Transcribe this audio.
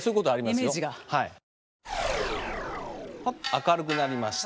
明るくなりました。